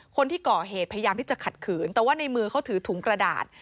คนที่ก่อเหตุพยายามที่จะขัดขืนแต่ว่าในมือเขาถือถุงกระดาษ